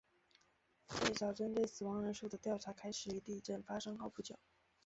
最早针对死亡人数的调查开始于地震发生后不久。